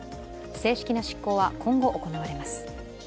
正式な執行は今後行われます。